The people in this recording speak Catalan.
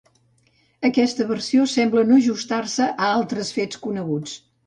Aquesta versió sembla no ajustar-se a altres fets coneguts.